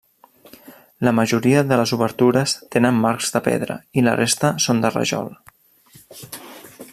La majoria de les obertures tenen marcs de pedra, i la resta són de rajol.